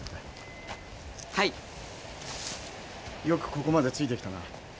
よくここまでついてきたな。